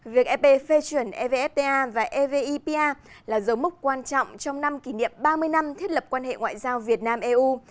việc ep phê chuẩn evfta và evipa là dấu mốc quan trọng trong năm kỷ niệm ba mươi năm thiết lập quan hệ ngoại giao việt nam eu